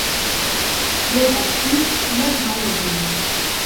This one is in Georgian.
დედამ შვილს თბილად გაუღიმა.